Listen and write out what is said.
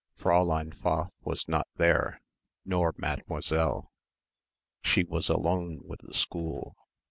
Fräulein Pfaff was not there, nor Mademoiselle. She was alone with the school.